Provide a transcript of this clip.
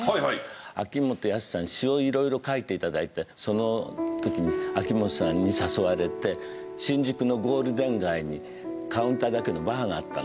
秋元康さんに詞を色々書いて頂いてその時に秋元さんに誘われて新宿のゴールデン街にカウンターだけのバーがあったの。